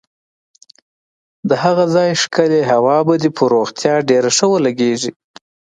د هغه ځای ښکلې هوا به دې پر روغتیا ډېره ښه ولګېږي.